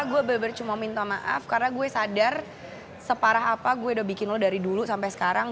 gue benar benar cuma minta maaf karena gue sadar separah apa gue udah bikin lo dari dulu sampai sekarang